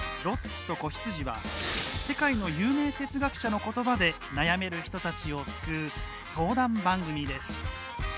「ロッチと子羊」は世界の有名哲学者のことばで悩める人たちを救う相談番組です。